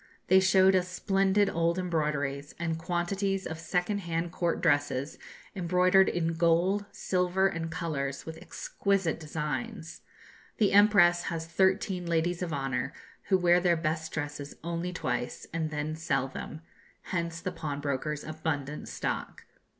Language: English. They showed us splendid old embroideries, and quantities of second hand court dresses, embroidered in gold, silver, and colours, with exquisite designs. The Empress has thirteen ladies of honour, who wear their best dresses only twice, and then sell them: hence the pawnbrokers abundant stock.